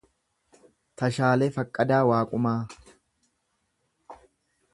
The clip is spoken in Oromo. Tashaalee Faqqadaa Waaqumaa